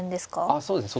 ああそうですね